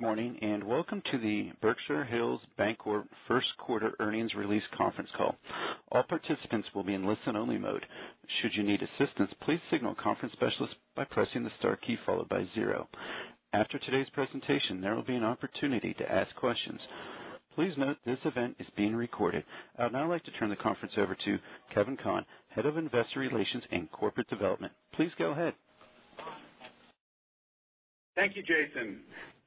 Good morning, and welcome to the Berkshire Hills Bancorp first quarter earnings release conference call. All participants will be in listen-only mode. Should you need assistance, please signal a conference specialist by pressing the star key followed by zero. After today's presentation, there will be an opportunity to ask questions. Please note this event is being recorded. I'd now like to turn the conference over to Kevin Conn, Head of Investor Relations and Corporate Development. Please go ahead. Thank you, Jason.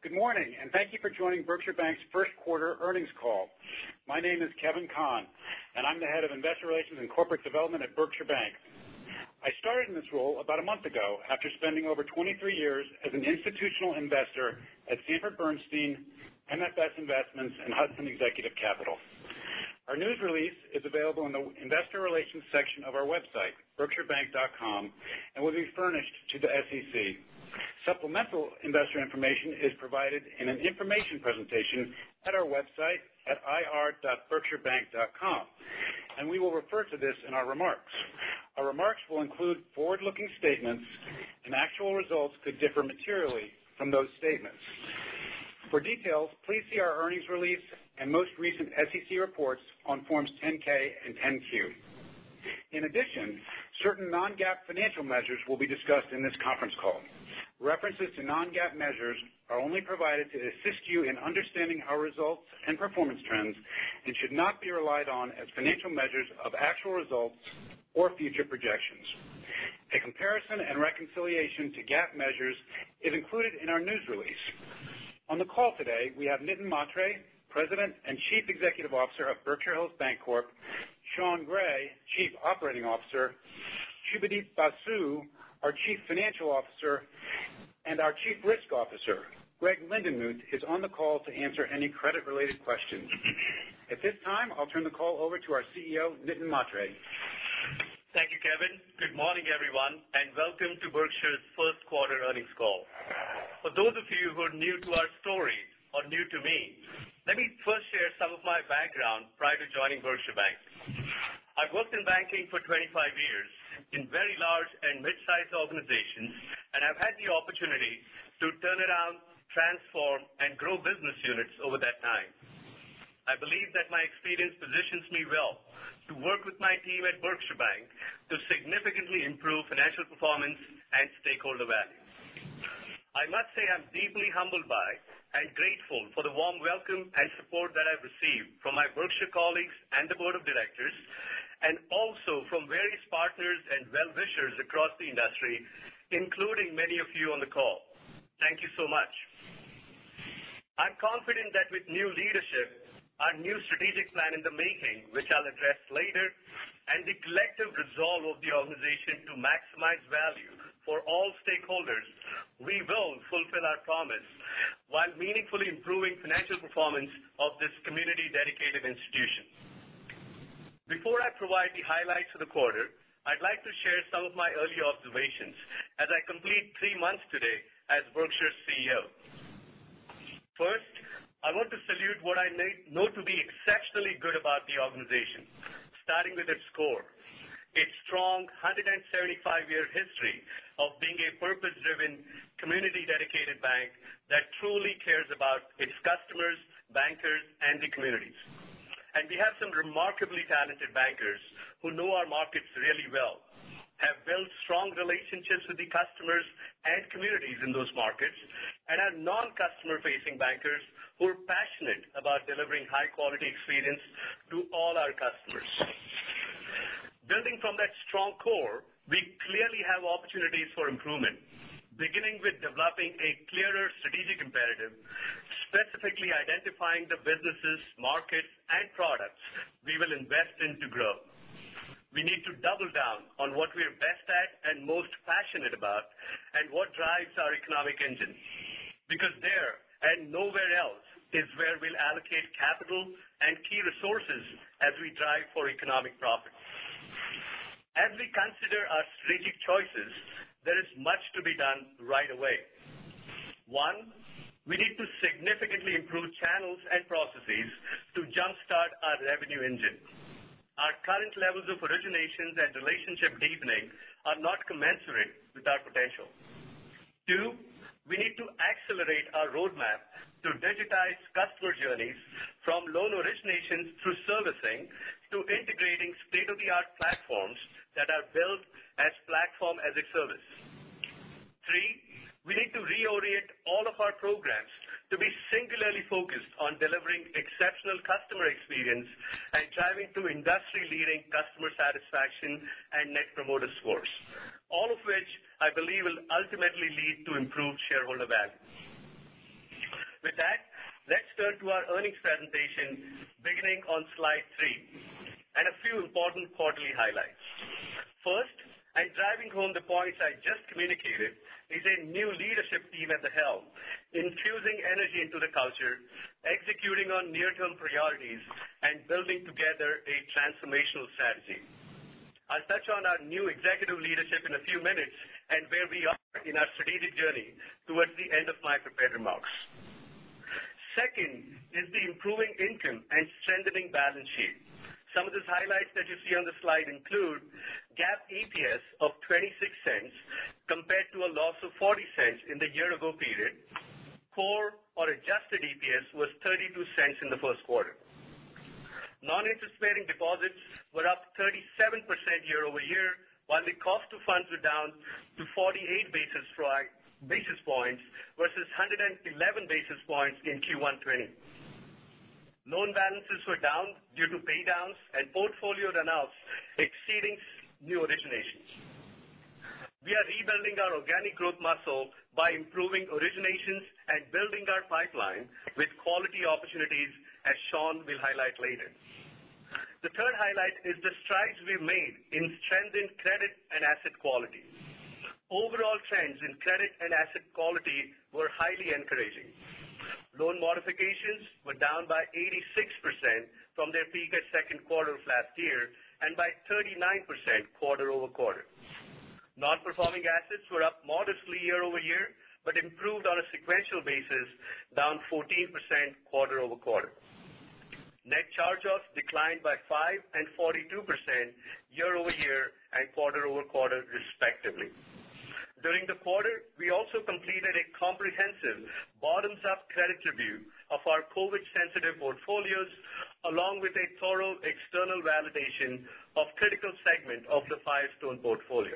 Good morning, and thank you for joining Berkshire Bank's first quarter earnings call. My name is Kevin Conn, and I'm the Head of Investor Relations and Corporate Development at Berkshire Bank. I started in this role about a month ago after spending over 23 years as an institutional investor at Sanford C. Bernstein, MFS Investment Management, and Hudson Executive Capital. Our news release is available in the investor relations section of our website, berkshirebank.com, and will be furnished to the SEC. Supplemental investor information is provided in an information presentation at our website at ir.berkshirebank.com, and we will refer to this in our remarks. Our remarks will include forward-looking statements, and actual results could differ materially from those statements. For details, please see our earnings release and most recent SEC reports on forms 10-K and 10-Q. In addition, certain non-GAAP financial measures will be discussed in this conference call. References to non-GAAP measures are only provided to assist you in understanding our results and performance trends and should not be relied on as financial measures of actual results or future projections. A comparison and reconciliation to GAAP measures is included in our news release. On the call today, we have Nitin Mhatre, President and Chief Executive Officer of Berkshire Hills Bancorp, Sean Gray, Chief Operating Officer, Subhadeep Basu, our Chief Financial Officer, and our Chief Risk Officer, Greg Lindenmuth, is on the call to answer any credit-related questions. At this time, I'll turn the call over to our CEO, Nitin Mhatre. Thank you, Kevin. Good morning, everyone, and welcome to Berkshire's first quarter earnings call. For those of you who are new to our story or new to me, let me first share some of my background prior to joining Berkshire Bank. I've worked in banking for 25 years in very large and mid-sized organizations, and I've had the opportunity to turn around, transform, and grow business units over that time. I believe that my experience positions me well to work with my team at Berkshire Bank to significantly improve financial performance and stakeholder value. I must say I'm deeply humbled by and grateful for the warm welcome and support that I've received from my Berkshire colleagues and the board of directors, and also from various partners and well-wishers across the industry, including many of you on the call. Thank you so much. I'm confident that with new leadership, our new strategic plan in the making, which I'll address later, and the collective resolve of the organization to maximize value for all stakeholders, we will fulfill our promise while meaningfully improving financial performance of this community-dedicated institution. Before I provide the highlights of the quarter, I'd like to share some of my early observations as I complete three months today as Berkshire's CEO. First, I want to salute what I know to be exceptionally good about the organization, starting with its core. Its strong 175-year history of being a purpose-driven, community-dedicated bank that truly cares about its customers, bankers, and the communities. We have some remarkably talented bankers who know our markets really well, have built strong relationships with the customers and communities in those markets, and our non-customer-facing bankers who are passionate about delivering a high-quality experience to all our customers. Building from that strong core, we clearly have opportunities for improvement, beginning with developing a clearer strategic imperative, specifically identifying the businesses, markets, and products we will invest in to grow. We need to double down on what we're best at and most passionate about and what drives our economic engine. There, and nowhere else, is where we'll allocate capital and key resources as we drive for economic profit. As we consider our strategic choices, there is much to be done right away. One, we need to significantly improve channels and processes to jumpstart our revenue engine. Our current levels of originations and relationship deepening are not commensurate with our potential. Two, we need to accelerate our roadmap to digitize customer journeys from loan originations through servicing to integrating state-of-the-art platforms that are built as platform as a service. Three, we need to reorient all of our programs to be singularly focused on delivering exceptional customer experience and driving to industry-leading customer satisfaction and Net Promoter Score. All of which I believe will ultimately lead to improved shareholder value. With that, let's turn to our earnings presentation beginning on slide three and a few important quarterly highlights. First, driving home the points I just communicated, is a new leadership team at the helm, infusing energy into the culture, executing on near-term priorities, and building together a transformational strategy. I'll touch on our new executive leadership in a few minutes and where we are in our strategic journey towards the end of my prepared remarks. Second is the improving income and strengthening balance sheet. The highlights that you see on the slide include GAAP EPS of $0.26 compared to a loss of $0.40 in the year-ago period. Core or adjusted EPS was $0.32 in the first quarter. Non-interest-bearing deposits were up 37% year-over-year, while the cost of funds were down to 48 basis points versus 111 basis points in Q1 2020. Loan balances were down due to pay downs and portfolio runoffs exceeding new originations. We are rebuilding our organic growth muscle by improving originations and building our pipeline with quality opportunities, as Sean will highlight later. The third highlight is the strides we've made in strengthening credit and asset quality. Overall trends in credit and asset quality were highly encouraging. Loan modifications were down by 86% from their peak at second quarter of last year and by 39% quarter-over-quarter. Non-performing assets were up modestly year-over-year, improved on a sequential basis, down 14% quarter-over-quarter. Net charge-offs declined by 5% and 42% year-over-year and quarter-over-quarter, respectively. During the quarter, we also completed a comprehensive bottoms-up credit review of our COVID-sensitive portfolios, along with a thorough external validation of critical segment of the Firestone portfolio.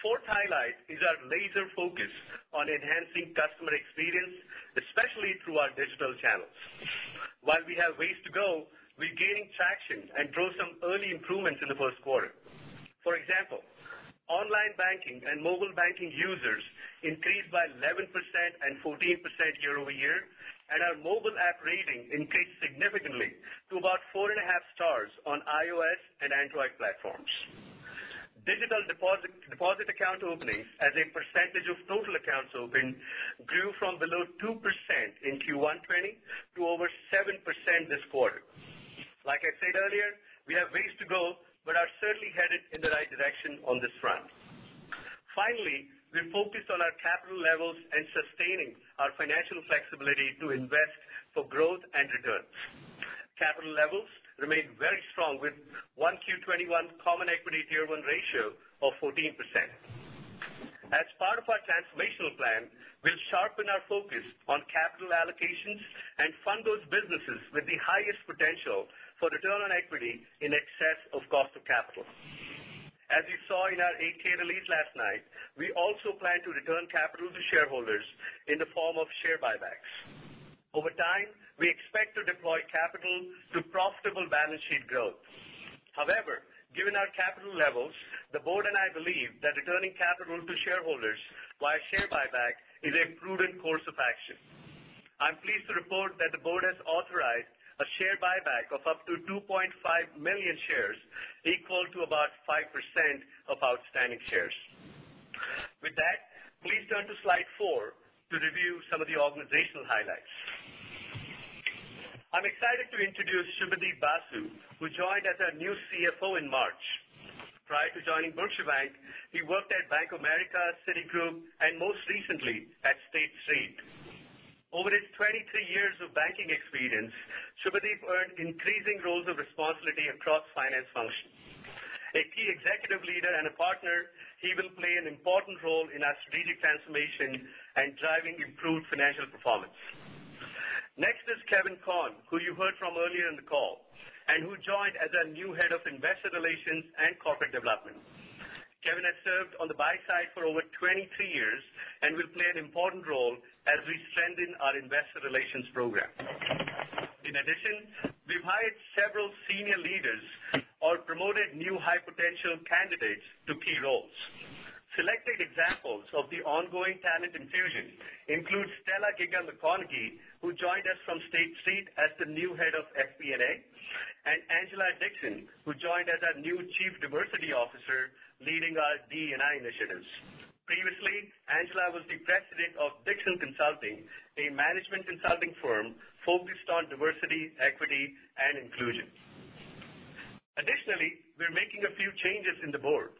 Fourth highlight is our laser focus on enhancing customer experience, especially through our digital channels. While we have ways to go, we're gaining traction and drove some early improvements in the first quarter. For example, online banking and mobile banking users increased by 11% and 14% year-over-year, and our mobile app rating increased significantly to about 4.5 stars on iOS and Android platforms. Digital deposit account openings as a percentage of total accounts opened grew from below 2% in Q1 2020 to over 7% this quarter. Like I said earlier, we have ways to go, but are certainly headed in the right direction on this front. Finally, we're focused on our capital levels and sustaining our financial flexibility to invest for growth and returns. Capital levels remain very strong with 1Q 2021 common equity Tier 1 ratio of 14%. As part of our transformational plan, we'll sharpen our focus on capital allocations and fund those businesses with the highest potential for return on equity in excess of cost of capital. As you saw in our 8-K release last night, we also plan to return capital to shareholders in the form of share buybacks. Over time, we expect to deploy capital to profitable balance sheet growth. Given our capital levels, the board and I believe that returning capital to shareholders via share buyback is a prudent course of action. I'm pleased to report that the board has authorized a share buyback of up to 2.5 million shares, equal to about 5% of outstanding shares. With that, please turn to slide four to review some of the organizational highlights. I'm excited to introduce Subhadeep Basu, who joined as our new CFO in March. Prior to joining Berkshire Bank, he worked at Bank of America, Citigroup, and most recently at State Street. Over his 23 years of banking experience, Subhadeep earned increasing roles of responsibility across finance functions. A key executive leader and a partner, he will play an important role in our strategic transformation and driving improved financial performance. Next is Kevin Conn, who you heard from earlier in the call and who joined as our new Head of Investor Relations and Corporate Development. Kevin has served on the buy side for over 23 years and will play an important role as we strengthen our investor relations program. In addition, we've hired several senior leaders or promoted new high-potential candidates to key roles. Selected examples of the ongoing talent infusion include Stella Gigon McConaughy, who joined us from State Street as the new Head of FP&A, and Angela Dixon, who joined as our new Chief Diversity Officer leading our DE&I initiatives. Previously, Angela was the President of Dixon Consulting, a management consulting firm focused on diversity, equity, and inclusion. Additionally, we're making a few changes in the board.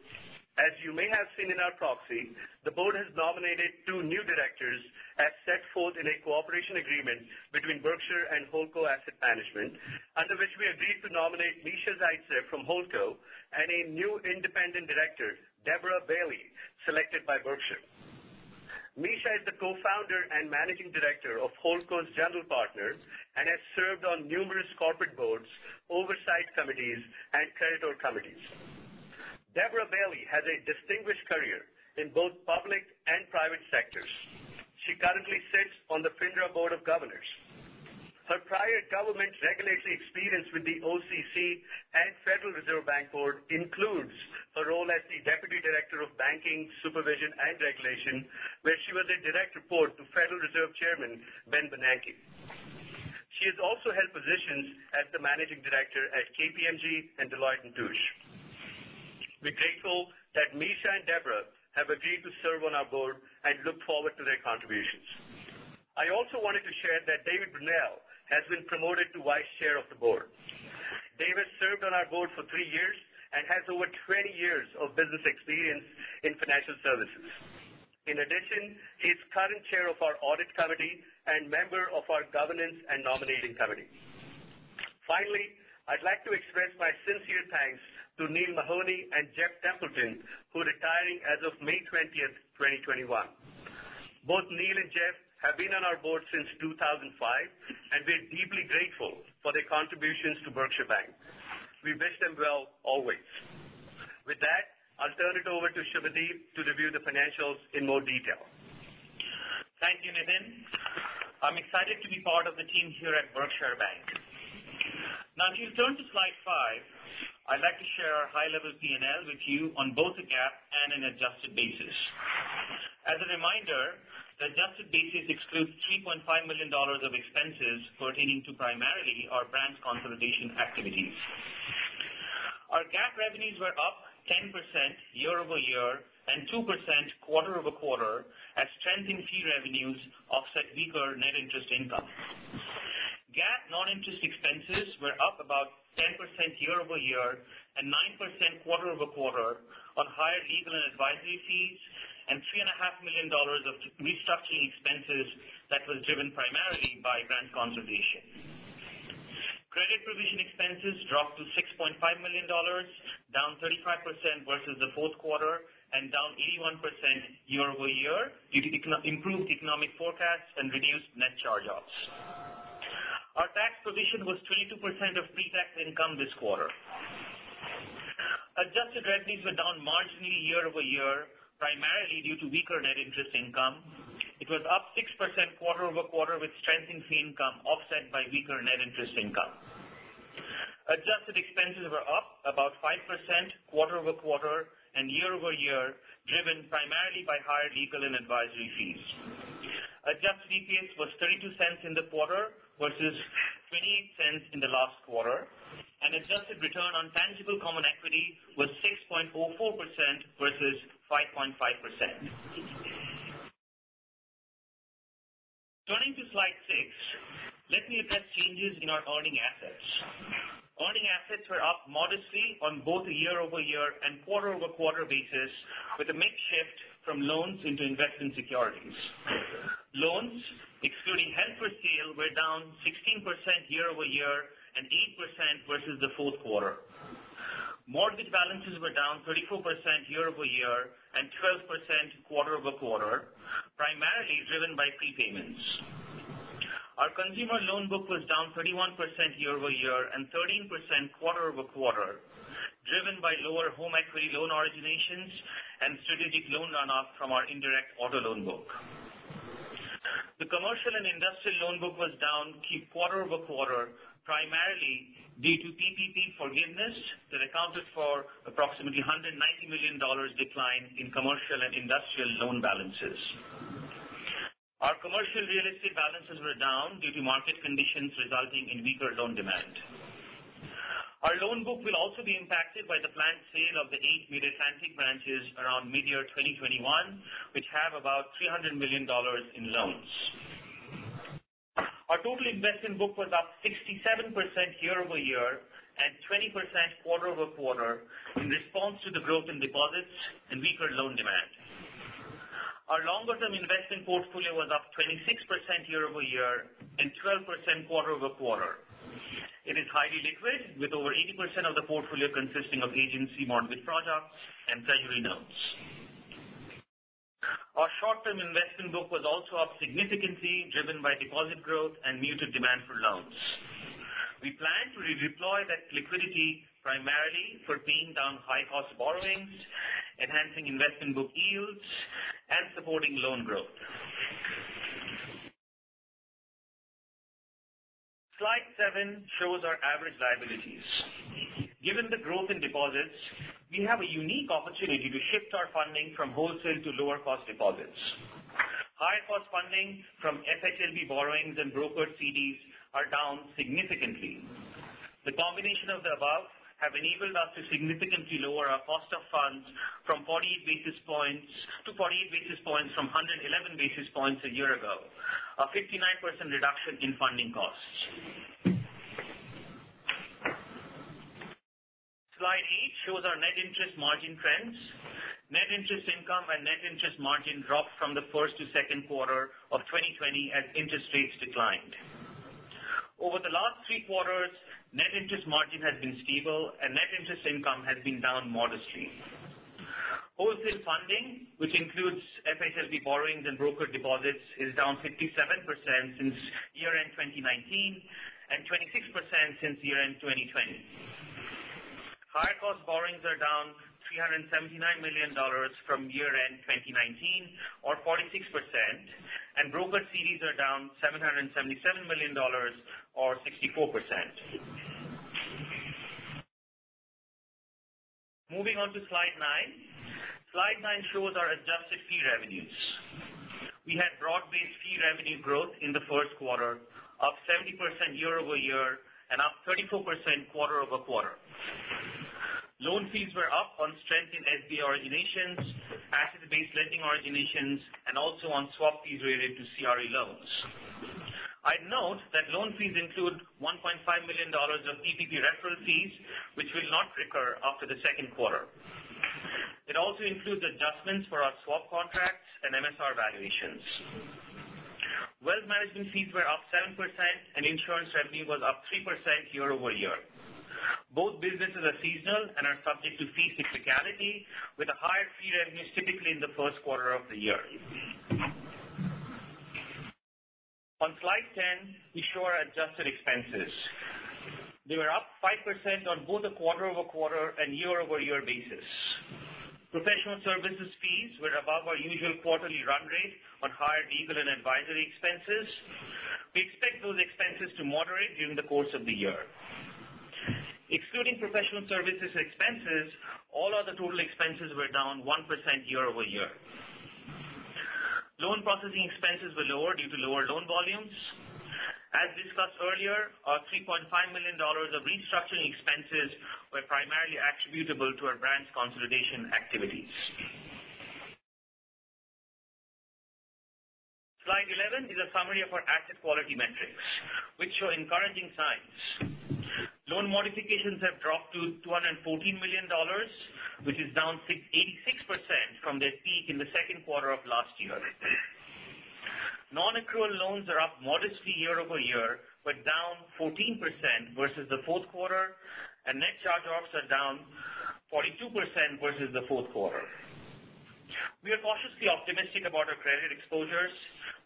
As you may have seen in our proxy, the board has nominated two new directors as set forth in a cooperation agreement between Berkshire and HoldCo Asset Management, under which we agreed to nominate Misha Zaitzeff from HoldCo and a new Independent Director, Deborah Bailey, selected by Berkshire. Misha is the Co-Founder and Managing Director of HoldCo's General Partners and has served on numerous corporate boards, oversight committees, and credit committees. Deborah Bailey has a distinguished career in both public and private sectors. She currently sits on the FINRA Board of Governors. Her prior government regulatory experience with the OCC and Federal Reserve Board includes her role as the Deputy Director of Banking Supervision and Regulation, where she was a direct report to Federal Reserve Chairman Ben Bernanke. She has also held positions as the Managing Director at KPMG and Deloitte & Touche. We're grateful that Misha and Deborah have agreed to serve on our board and look forward to their contributions. I also wanted to share that David Brunelle has been promoted to Vice Chair of the Board. David served on our board for three years and has over 20 years of business experience in financial services. In addition, he is current Chair of our Audit Committee and member of our Governance and Nominating Committee. Finally, I'd like to express my sincere thanks to Neil Mahoney and Jeff Templeton, who are retiring as of May 20th, 2021. Both Neil and Jeff have been on our board since 2005, and we're deeply grateful for their contributions to Berkshire Bank. We wish them well always. With that, I'll turn it over to Subhadeep to review the financials in more detail. Thank you, Nitin. I'm excited to be part of the team here at Berkshire Bank. Now, if you turn to slide five, I'd like to share our high-level P&L with you on both a GAAP and an adjusted basis. As a reminder, the adjusted basis excludes $3.5 million of expenses pertaining to primarily our branch consolidation activities. Our GAAP revenues were up 10% year-over-year and 2% quarter-over-quarter as strength in fee revenues offset weaker net interest income. GAAP non-interest expenses were up about 10% year-over-year and 9% quarter-over-quarter on higher legal and advisory fees and $3.5 million of restructuring expenses that was driven primarily by branch consolidation. Credit provision expenses dropped to $6.5 million, down 35% versus the fourth quarter and down 81% year-over-year due to improved economic forecasts and reduced net charge-offs. Our tax provision was 22% of pre-tax income this quarter. Adjusted revenues were down marginally year-over-year, primarily due to weaker net interest income. It was up 6% quarter-over-quarter with strength in fee income offset by weaker net interest income. Adjusted expenses were up about 5% quarter-over-quarter and year-over-year, driven primarily by higher legal and advisory fees. Adjusted EPS was $0.32 in the quarter versus $0.28 in the last quarter, and adjusted Return on Tangible Common Equity was 6.44% versus 5.5%. Turning to slide six, let me address changes in our earning assets. Earning assets were up modestly on both a year-over-year and quarter-over-quarter basis with a mix shift from loans into investment securities. Loans, excluding held for sale, were down 16% year-over-year and 8% versus the fourth quarter. Mortgage balances were down 34% year-over-year and 12% quarter-over-quarter, primarily driven by prepayments. Our consumer loan book was down 31% year-over-year and 13% quarter-over-quarter, driven by lower home equity loan originations and strategic loan runoff from our indirect auto loan book. The commercial and industrial loan book was down quarter-over-quarter, primarily due to PPP forgiveness that accounted for approximately $190 million decline in commercial and industrial loan balances. Our commercial real estate balances were down due to market conditions resulting in weaker loan demand. Our loan book will also be impacted by the planned sale of the eight Mid-Atlantic branches around mid-year 2021, which have about $300 million in loans. Our total investment book was up 67% year-over-year and 20% quarter-over-quarter in response to the growth in deposits and weaker loan demand. Our longer-term investment portfolio was up 26% year-over-year and 12% quarter-over-quarter. It is highly liquid, with over 80% of the portfolio consisting of agency mortgage products and Treasury notes. Our short-term investment book was also up significantly, driven by deposit growth and muted demand for loans. We plan to redeploy that liquidity primarily for paying down high-cost borrowings, enhancing investment book yields, and supporting loan growth. Slide seven shows our average liabilities. Given the growth in deposits, we have a unique opportunity to shift our funding from wholesale to lower-cost deposits. High-cost funding from FHLB borrowings and broker CDs are down significantly. The combination of the above have enabled us to significantly lower our cost of funds to 48 basis points from 111 basis points a year ago. A 59% reduction in funding costs. Slide eight shows our net interest margin trends. Net interest income and net interest margin dropped from the first to second quarter of 2020 as interest rates declined. Over the last three quarters, net interest margin has been stable, and net interest income has been down modestly. Wholesale funding, which includes FHLB borrowings and broker deposits, is down 57% since year-end 2019 and 26% since year-end 2020. High-cost borrowings are down $379 million from year-end 2019 or 46%, and broker CDs are down $777 million or 64%. Moving on to slide nine. Slide nine shows our adjusted fee revenues. We had broad-based fee revenue growth in the first quarter, up 70% year-over-year and up 34% quarter-over-quarter. Loan fees were up on strength in SBA originations, asset-based lending originations, and also on swap fees related to CRE loans. I'd note that loan fees include $1.5 million of PPP referral fees, which will not recur after the second quarter. It also includes adjustments for our swap contracts and MSR valuations. Wealth management fees were up 7%, and insurance revenue was up 3% year-over-year. Both businesses are seasonal and are subject to fee cyclicality, with higher fee revenues typically in the first quarter of the year. On slide 10, we show our adjusted expenses. They were up 5% on both a quarter-over-quarter and year-over-year basis. Professional services fees were above our usual quarterly run rate on higher legal and advisory expenses. We expect those expenses to moderate during the course of the year. Excluding professional services expenses, all other total expenses were down 1% year over year. Loan processing expenses were lower due to lower loan volumes. As discussed earlier, our $3.5 million of restructuring expenses were primarily attributable to our branch consolidation activities. Slide 11 is a summary of our asset quality metrics, which show encouraging signs. Loan modifications have dropped to $214 million, which is down 86% from their peak in the second quarter of last year. Non-accrual loans are up modestly year over year, but down 14% versus the fourth quarter, and net charge-offs are down 42% versus the fourth quarter. We are cautiously optimistic about our credit exposures.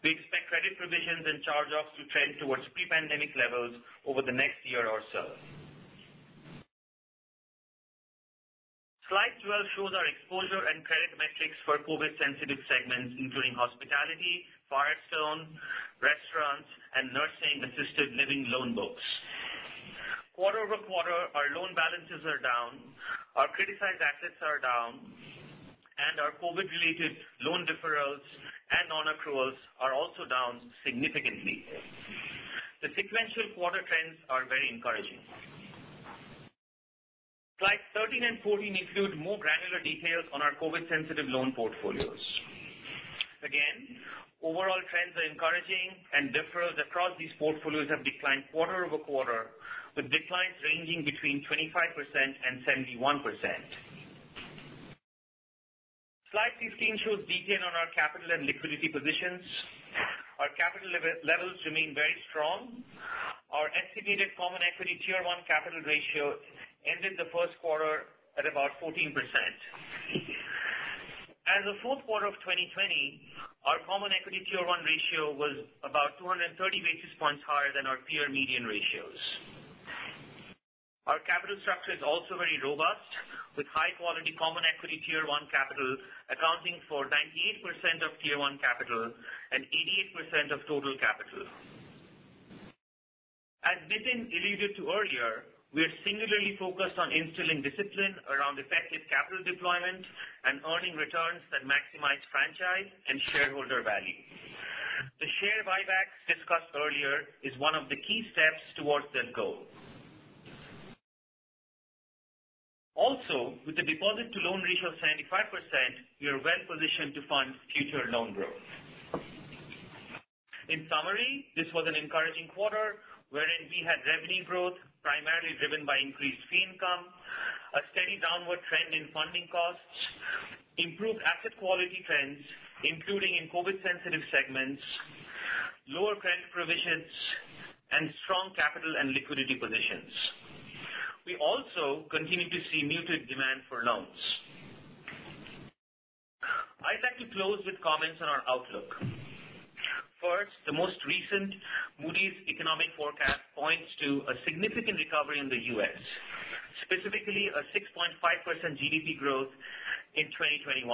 We expect credit provisions and charge-offs to trend towards pre-pandemic levels over the next year or so. Slide 12 shows our exposure and credit metrics for COVID-sensitive segments, including hospitality, Firestone, restaurants, and nursing assisted living loan books. Quarter-over-quarter, our loan balances are down, our criticized assets are down, and our COVID-related loan deferrals and non-accruals are also down significantly. The sequential quarter trends are very encouraging. Slides 13 and 14 include more granular details on our COVID-sensitive loan portfolios. Again, overall trends are encouraging, and deferrals across these portfolios have declined quarter-over-quarter, with declines ranging between 25% and 71%. Slide 15 shows details on our capital and liquidity positions. Our capital levels remain very strong. Our estimated common equity Tier 1 capital ratio ended the first quarter at about 14%. As of the fourth quarter of 2020, our common equity Tier 1 ratio was about 230 basis points higher than our peer median ratios. Our capital structure is also very robust, with high-quality common equity Tier 1 capital accounting for 98% of Tier 1 capital and 88% of total capital. As Nitin alluded to earlier, we are singularly focused on instilling discipline around effective capital deployment and earning returns that maximize franchise and shareholder value. The share buybacks discussed earlier is one of the key steps towards that goal. With a deposit-to-loan ratio of 75%, we are well-positioned to fund future loan growth. In summary, this was an encouraging quarter wherein we had revenue growth primarily driven by increased fee income, a steady downward trend in funding costs, improved asset quality trends, including in COVID-sensitive segments, lower credit provisions, and strong capital and liquidity positions. We also continue to see muted demand for loans. I'd like to close with comments on our outlook. First, the most recent Moody's economic forecast points to a significant recovery in the U.S., specifically a 6.5% GDP growth in 2021.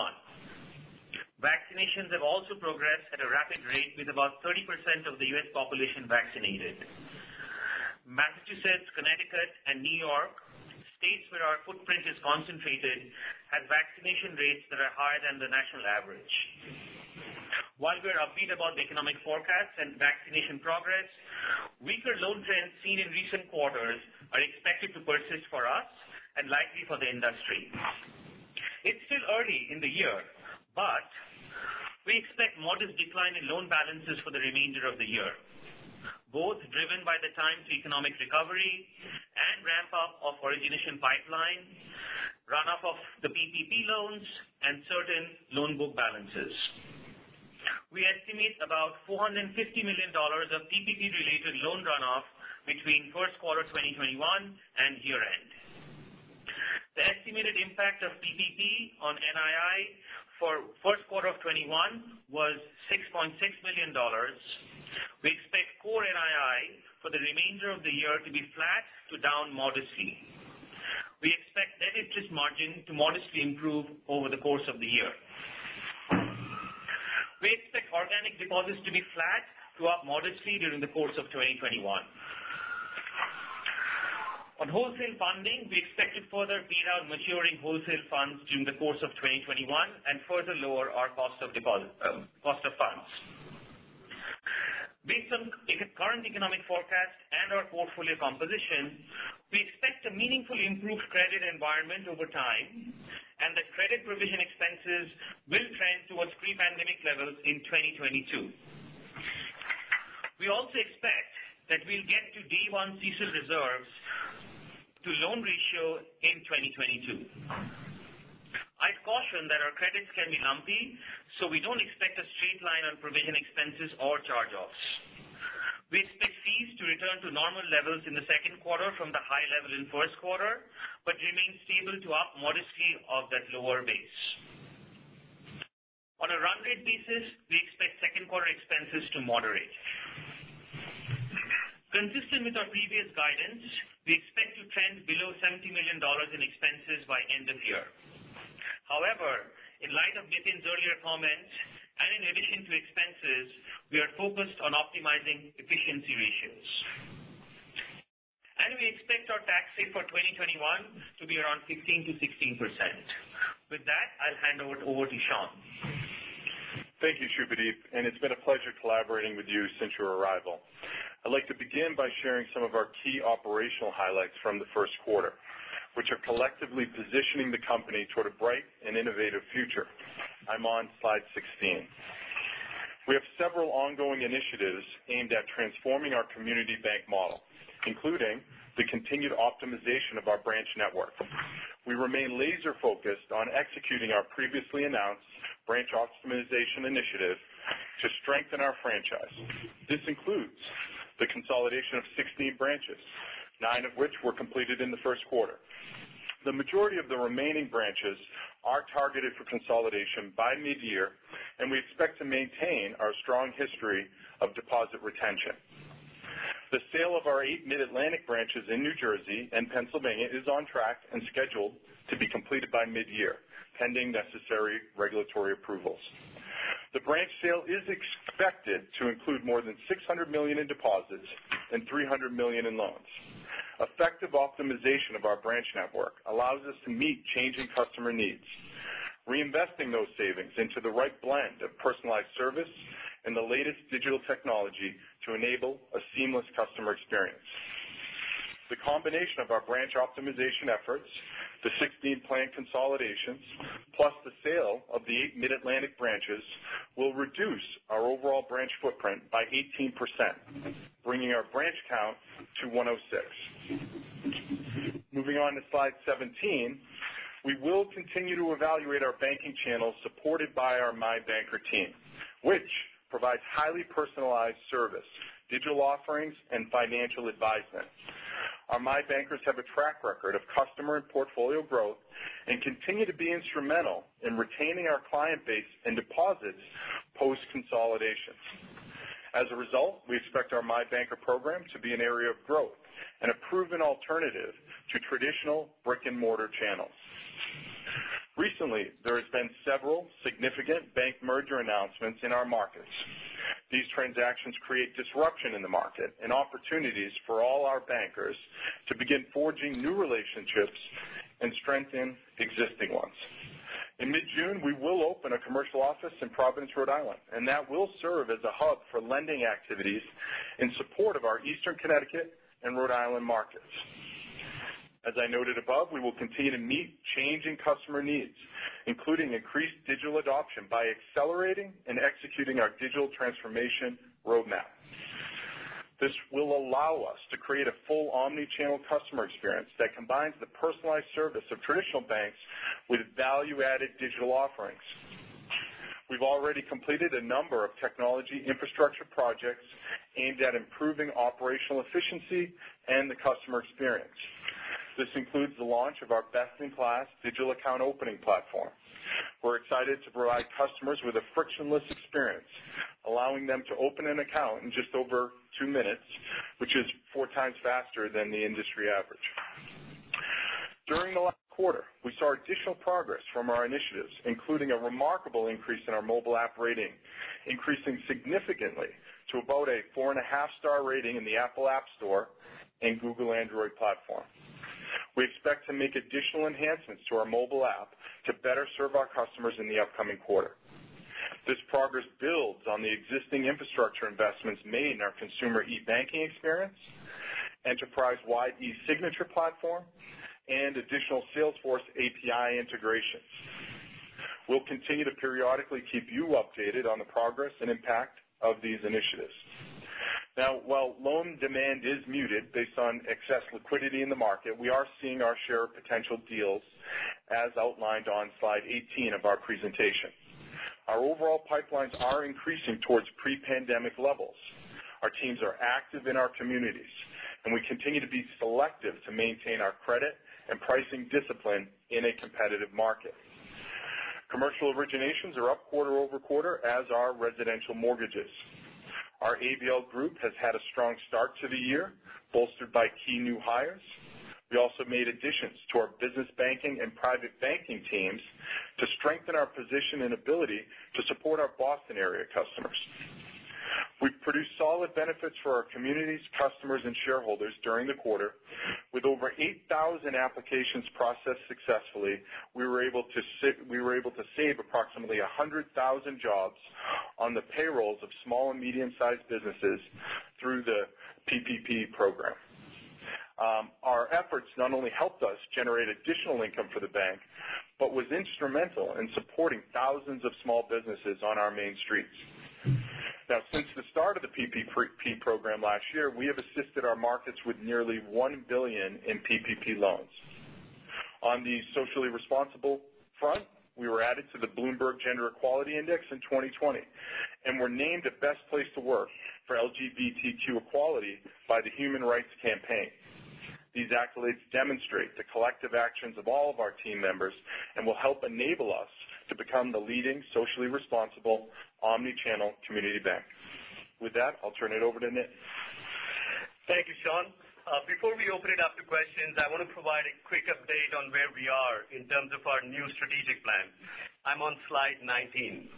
Vaccinations have also progressed at a rapid rate, with about 30% of the U.S. population vaccinated. Massachusetts, Connecticut, and New York, states where our footprint is concentrated, have vaccination rates that are higher than the national average. While we're upbeat about the economic forecast and vaccination progress, weaker loan trends seen in recent quarters are expected to persist for us and likely for the industry. It's still early in the year, but we expect modest decline in loan balances for the remainder of the year, both driven by the timing of economic recovery and ramp up of origination pipeline, run off of the PPP loans, and certain loan book balances. We estimate about $450 million of PPP-related loan runoff between first quarter 2021 and year-end. The estimated impact of PPP on NII for first quarter of 2021 was $6.6 million. We expect core NII for the remainder of the year to be flat to down modestly. We expect net interest margin to modestly improve over the course of the year. We expect organic deposits to be flat to up modestly during the course of 2021. On wholesale funding, we expected further paydown maturing wholesale funds during the course of 2021 and further lower our cost of funds. Based on current economic forecast and our portfolio composition, we expect a meaningfully improved credit environment over time. Provision expenses will trend towards pre-pandemic levels in 2022. We also expect that we'll get to day one CECL reserves to loan ratio in 2022. I'd caution that our credits can be lumpy, so we don't expect a straight line on provision expenses or charge-offs. We expect fees to return to normal levels in the second quarter from the high level in first quarter, but remain stable to up modestly off that lower base. On a run rate basis, we expect second quarter expenses to moderate. Consistent with our previous guidance, we expect to trend below $70 million in expenses by end of year. However, in light of Nitin's earlier comments, in addition to expenses, we are focused on optimizing efficiency ratios. We expect our tax rate for 2021 to be around 15%-16%. With that, I'll hand it over to Sean. Thank you, Subhadeep, and it's been a pleasure collaborating with you since your arrival. I'd like to begin by sharing some of our key operational highlights from the first quarter, which are collectively positioning the company toward a bright and innovative future. I'm on slide 16. We have several ongoing initiatives aimed at transforming our community bank model, including the continued optimization of our branch network. We remain laser-focused on executing our previously announced Branch Optimization Initiative to strengthen our franchise. This includes the consolidation of 16 branches, nine of which were completed in the first quarter. The majority of the remaining branches are targeted for consolidation by mid-year, and we expect to maintain our strong history of deposit retention. The sale of our eight Mid-Atlantic branches in New Jersey and Pennsylvania is on track and scheduled to be completed by mid-year, pending necessary regulatory approvals. The branch sale is expected to include more than $600 million in deposits and $300 million in loans. Effective optimization of our branch network allows us to meet changing customer needs, reinvesting those savings into the right blend of personalized service and the latest digital technology to enable a seamless customer experience. The combination of our branch optimization efforts, the 16 planned consolidations, plus the sale of the eight Mid-Atlantic branches, will reduce our overall branch footprint by 18%, bringing our branch count to 106. Moving on to slide 17. We will continue to evaluate our banking channels supported by our My Banker team, which provides highly personalized service, digital offerings, and financial advisement. Our My Bankers have a track record of customer and portfolio growth and continue to be instrumental in retaining our client base and deposits post-consolidation. As a result, we expect our My Banker program to be an area of growth and a proven alternative to traditional brick-and-mortar channels. Recently, there has been several significant bank merger announcements in our markets. These transactions create disruption in the market and opportunities for all our bankers to begin forging new relationships and strengthen existing ones. In mid-June, we will open a commercial office in Providence, Rhode Island, and that will serve as a hub for lending activities in support of our Eastern Connecticut and Rhode Island markets. As I noted above, we will continue to meet changing customer needs, including increased digital adoption, by accelerating and executing our digital transformation roadmap. This will allow us to create a full omnichannel customer experience that combines the personalized service of traditional banks with value-added digital offerings. We've already completed a number of technology infrastructure projects aimed at improving operational efficiency and the customer experience. This includes the launch of our best-in-class digital account opening platform. We're excited to provide customers with a frictionless experience, allowing them to open an account in just over two minutes, which is 4x faster than the industry average. During the last quarter, we saw additional progress from our initiatives, including a remarkable increase in our mobile app rating, increasing significantly to about a 4.5 star rating in the Apple App Store and Google Android platform. We expect to make additional enhancements to our mobile app to better serve our customers in the upcoming quarter. This progress builds on the existing infrastructure investments made in our consumer e-banking experience, enterprise-wide e-signature platform, and additional Salesforce API integrations. We'll continue to periodically keep you updated on the progress and impact of these initiatives. While loan demand is muted based on excess liquidity in the market, we are seeing our share of potential deals as outlined on slide 18 of our presentation. Our overall pipelines are increasing towards pre-pandemic levels. Our teams are active in our communities, and we continue to be selective to maintain our credit and pricing discipline in a competitive market. Commercial originations are up quarter-over-quarter, as are residential mortgages. Our ABL group has had a strong start to the year, bolstered by key new hires. We also made additions to our business banking and private banking teams to strengthen our position and ability to support our Boston area customers. We've produced solid benefits for our communities, customers, and shareholders during the quarter. With over 8,000 applications processed successfully, we were able to save approximately 100,000 jobs on the payrolls of small and medium-sized businesses through the PPP Program. Our efforts not only helped us generate additional income for the bank but was instrumental in supporting thousands of small businesses on our main streets. Since the start of the PPP Program last year, we have assisted our markets with nearly $1 billion in PPP loans. On the socially responsible front, we were added to the Bloomberg Gender-Equality Index in 2020 and were named a Best Place to Work for LGBTQ Equality by the Human Rights Campaign. These accolades demonstrate the collective actions of all of our team members and will help enable us to become the leading socially responsible omnichannel community bank. With that, I'll turn it over to Nitin. Thank you, Sean. Before we open it up to questions, I want to provide a quick update on where we are in terms of our new strategic plan. I'm on slide 19.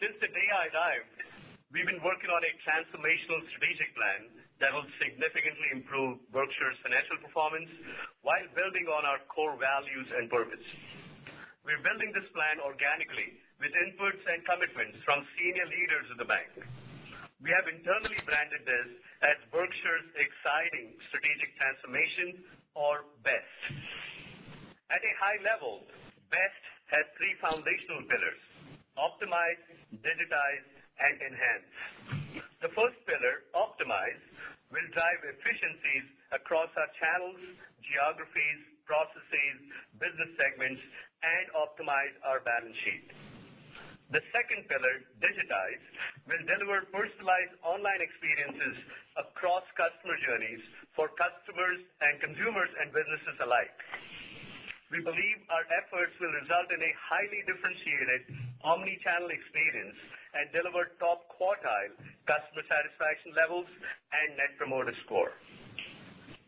Since the day I arrived, we've been working on a transformational strategic plan that will significantly improve Berkshire's financial performance while building on our core values and purpose. We're building this plan organically with inputs and commitments from senior leaders of the bank. We have internally branded this as Berkshire's Exciting Strategic Transformation, or BEST. At a high level, BEST has three foundational pillars: optimize, digitize, and enhance. The first pillar, optimize, will drive efficiencies across our channels, geographies, processes, business segments, and optimize our balance sheet. The second pillar, digitize, will deliver personalized online experiences across customer journeys for customers, and consumers, and businesses alike. We believe our efforts will result in a highly differentiated omni-channel experience and deliver top-quartile customer satisfaction levels and Net Promoter Score.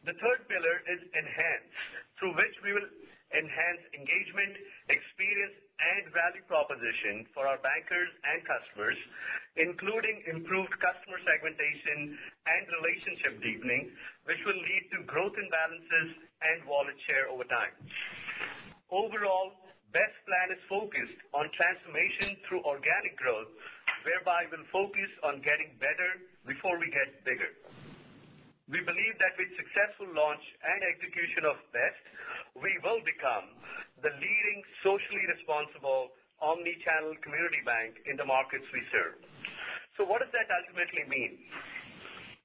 The third pillar is enhance, through which we will enhance engagement, experience, and value proposition for our bankers and customers, including improved customer segmentation and relationship deepening, which will lead to growth in balances and wallet share over time. Overall, BEST plan is focused on transformation through organic growth, whereby we'll focus on getting better before we get bigger. We believe that with the successful launch and execution of BEST, we will become the leading socially responsible omni-channel community bank in the markets we serve. What does that ultimately mean?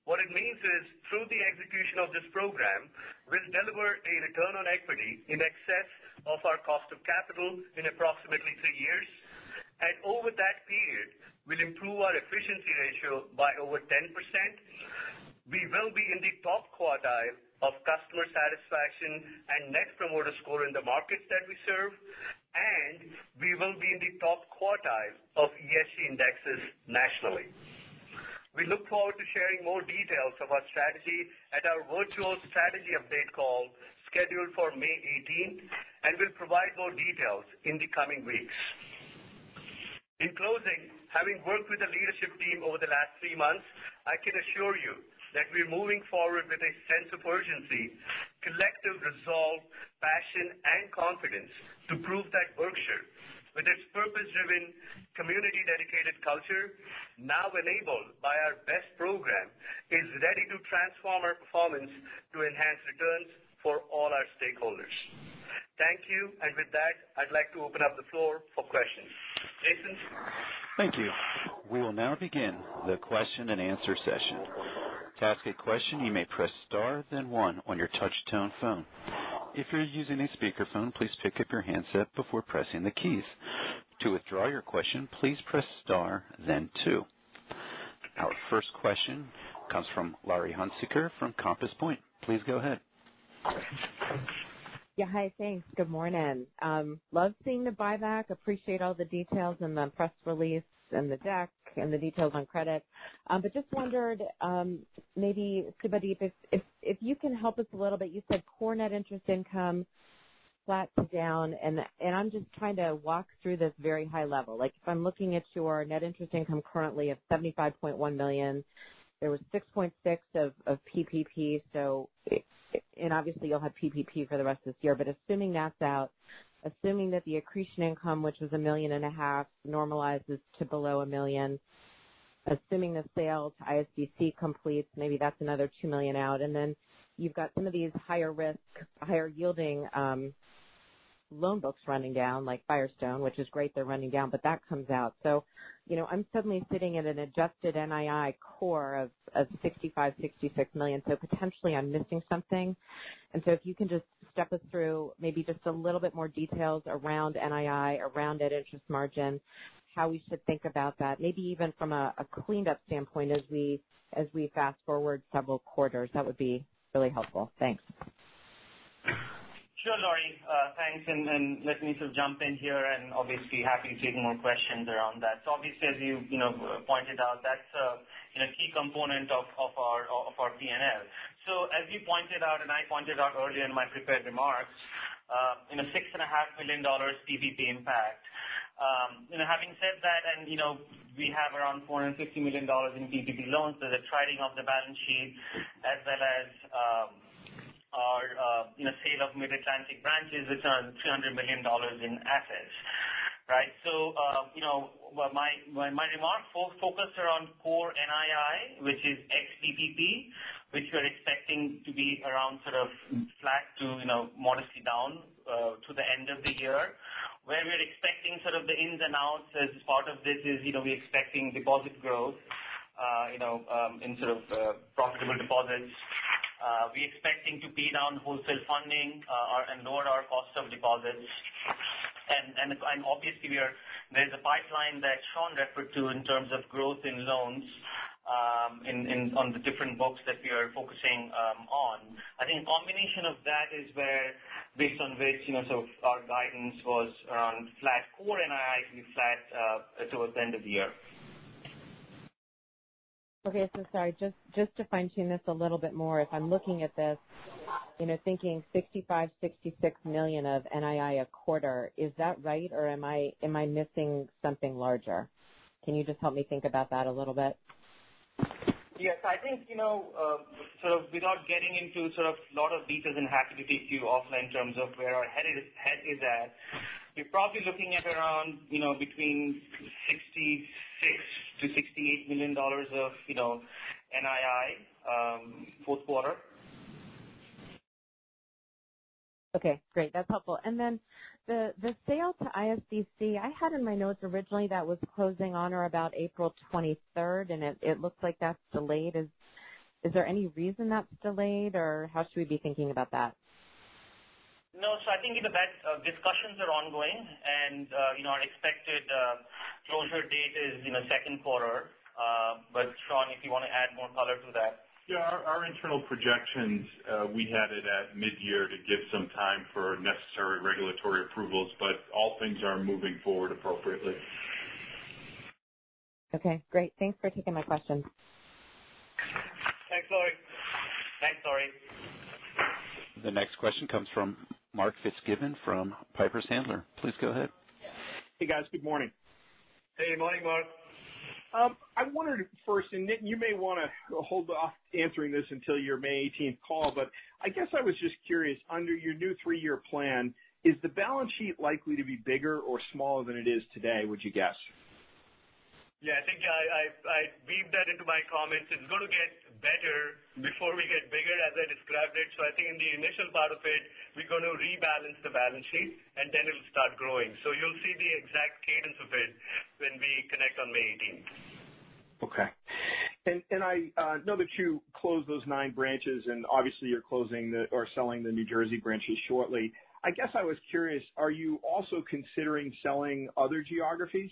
What it means is through the execution of this program, we'll deliver a return on equity in excess of our cost of capital in approximately three years. Over that period, we'll improve our efficiency ratio by over 10%. We will be in the top quartile of customer satisfaction and Net Promoter Score in the markets that we serve, and we will be in the top quartile of ESG indexes nationally. We look forward to sharing more details of our strategy at our virtual strategy update call scheduled for May 18th, and we'll provide more details in the coming weeks. In closing, having worked with the leadership team over the last three months, I can assure you that we're moving forward with a sense of urgency, collective resolve, passion, and confidence to prove that Berkshire, with its purpose-driven, community-dedicated culture, now enabled by our BEST program, is ready to transform our performance to enhance returns for all our stakeholders. Thank you. With that, I'd like to open up the floor for questions. Jason? Thank you. We will now begin the question-and-answer session. To ask a question, you may press star then one on your touchtone phone. If you are using a speakerphone, please pick up your handset before pressing the keys. To withdraw your question, please press star then two. Our first question comes from Laurie Hunsicker from Compass Point. Please go ahead. Yeah. Hi. Thanks. Good morning. Love seeing the buyback. Appreciate all the details in the press release, and the deck and the details on credit. Just wondered, maybe, Subhadeep, if you can help us a little bit. You said core net interest income flat to down. I'm just trying to walk through this very high-level. If I'm looking at your net interest income currently of $75.1 million, there was $6.6 of PPP. Obviously, you'll have PPP for the rest of this year. Assuming that's out, assuming that the accretion income, which was a $1.5 million, normalizes to below $1 million, assuming the sale to ISBC completes, maybe that's another $2 million out. Then you've got some of these higher-risk, higher-yielding loan books running down, like Firestone. Which is great, they're running down. That comes out. I'm suddenly sitting at an adjusted NII core of $65 million, $66 million. Potentially, I'm missing something. If you can just step us through, maybe just a little bit more details around NII, around net interest margin, how we should think about that, maybe even from a cleaned-up standpoint as we fast-forward several quarters, that would be really helpful. Thanks. Sure, Laurie. Thanks. Nitin to jump in here, obviously happy to take more questions around that. Obviously, as you pointed out, that's a key component of our P&L. As you pointed out, and I pointed out earlier in my prepared remarks, a $6.5 million PPP impact. Having said that, we have around $450 million in PPP loans. The trading of the balance sheet as well as. Of Mid-Atlantic branches with $300 million in assets. Right. My remarks focused around core NII, which is ex-PPP, which we're expecting to be around sort of flat to modestly down to the end of the year. Where we're expecting sort of the ins and outs as part of this is we're expecting deposit growth in profitable deposits. We're expecting to be down wholesale funding and lower our cost of deposits. Obviously, there's a pipeline that Sean referred to in terms of growth in loans on the different books that we are focusing on. I think combination of that is based on which our guidance was on flat core NII to be flat towards the end of the year. Okay. Sorry, just to fine-tune this a little bit more. If I'm looking at this, thinking $65 million, $66 million of NII a quarter, is that right, or am I missing something larger? Can you just help me think about that a little bit? Yes. I think, without getting into sort of lot of details, and happy to take you offline in terms of where our head is at, we're probably looking at around between $66 million-$68 million of NII, fourth quarter. Okay, great. That's helpful. The sale to ISBC, I had in my notes originally that was closing on or about April 23rd, and it looks like that's delayed. Is there any reason that's delayed, or how should we be thinking about that? No. I think the discussions are ongoing and our expected closure date is second quarter. Sean, if you want to add more color to that. Yeah. Our internal projections, we had it at mid-year to give some time for necessary regulatory approvals, but all things are moving forward appropriately. Okay, great. Thanks for taking my questions. Thanks, Laurie. Thanks, Laurie. The next question comes from Mark Fitzgibbon from Piper Sandler. Please go ahead. Hey, guys. Good morning. Hey, good morning, Mark. I wondered first, and Nitin, you may want to hold off answering this until your May 18th call, but I guess I was just curious, under your new three-year plan, is the balance sheet likely to be bigger or smaller than it is today, would you guess? Yeah. I think I weaved that into my comments. It's going to get better before we get bigger, as I described it. I think in the initial part of it, we're going to rebalance the balance sheet, and then it'll start growing. You'll see the exact cadence of it when we connect on May 18th. Okay. I know that you closed those nine branches and obviously you're closing or selling the New Jersey branches shortly. I guess I was curious, are you also considering selling other geographies?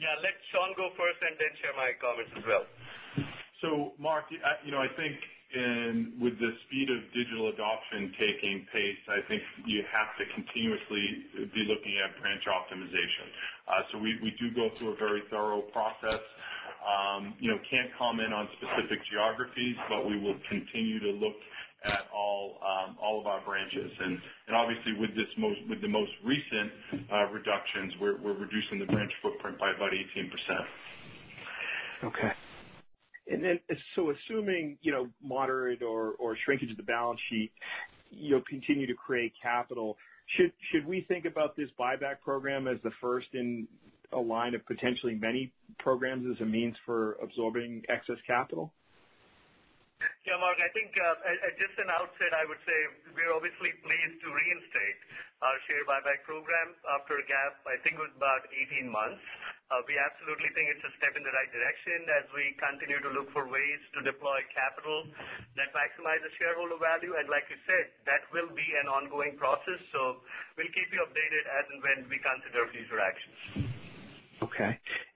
Yeah. I'll let Sean go first and then share my comments as well. Mark, I think with the speed of digital adoption taking pace, I think you have to continuously be looking at branch optimization. We do go through a very thorough process. Can't comment on specific geographies, but we will continue to look at all of our branches. Obviously with the most recent reductions, we're reducing the branch footprint by about 18%. Okay. Assuming moderate or shrinkage of the balance sheet, you'll continue to create capital. Should we think about this buyback program as the first in a line of potentially many programs as a means for absorbing excess capital? Yeah Mark, I think at just an outset, I would say we're obviously pleased to reinstate our share buyback program after a gap, I think it was about 18 months. We absolutely think it's a step in the right direction as we continue to look for ways to deploy capital that maximizes shareholder value. Like you said, that will be an ongoing process. We'll keep you updated as and when we consider future actions.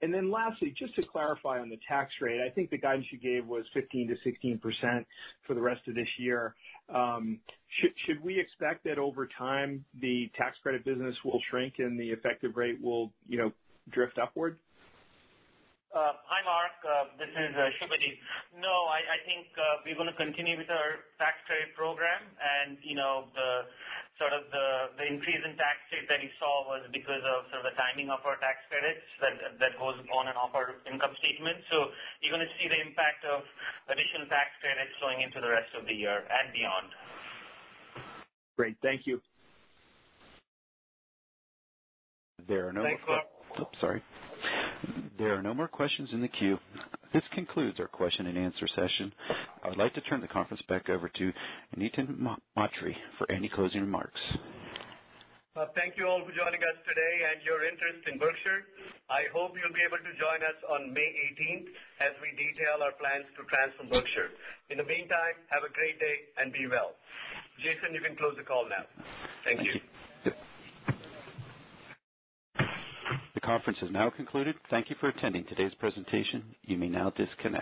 Okay. Lastly, just to clarify on the tax rate, I think the guidance you gave was 15%-16% for the rest of this year. Should we expect that over time the tax credit business will shrink and the effective rate will drift upward? Hi Mark, this is Subhadeep. I think we're going to continue with our tax credit program and the increase in tax rate that you saw was because of the timing of our tax credits that goes on and off our income statement. You're going to see the impact of additional tax credits flowing into the rest of the year and beyond. Great. Thank you. Thanks, Mark. Oh, sorry. There are no more questions in the queue. This concludes our question-and-answer session. I would like to turn the conference back over to Nitin Mhatre for any closing remarks. Thank you all for joining us today and your interest in Berkshire. I hope you'll be able to join us on May 18th as we detail our plans to transform Berkshire. In the meantime, have a great day and be well. Jason, you can close the call now. Thank you. Thank you. The conference is now concluded. Thank you for attending today's presentation. You may now disconnect.